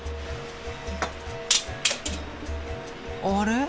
あれ？